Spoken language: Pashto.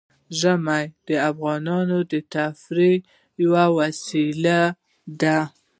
ژمی د افغانانو د تفریح یوه وسیله ده.